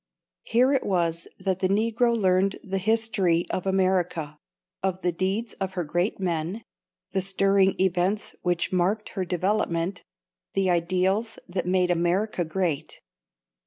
Here it was that the Negro learned the history of America, of the deeds of her great men, the stirring events which marked her development, the ideals that made America great.